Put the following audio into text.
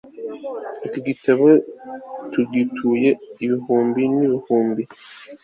iki gitabo tugituye ibihumbi n'ibihumbi